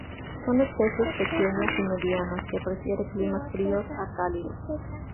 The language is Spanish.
Son especies pequeñas y medianas, que prefiere climas fríos a cálidos.